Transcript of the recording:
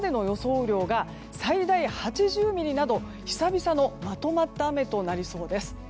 雨量が最大８０ミリなど久々のまとまった雨となりそうです。